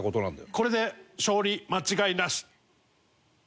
これで勝利間違いなし。